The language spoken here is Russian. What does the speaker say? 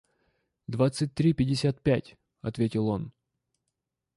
– Двадцать три пятьдесят пять, – ответил он.